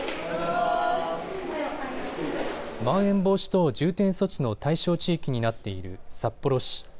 まん延防止等重点措置の対象地域になっている札幌市。